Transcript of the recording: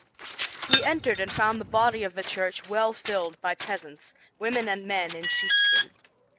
We entered and found the body of the church well filled by peasants, women and men in sheepskin.